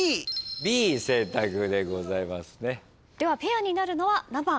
ではペアになるのは何番？